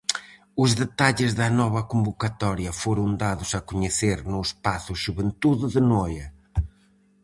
Os detalles da nova convocatoria foron dados a coñecer no Espazo Xuventude de Noia.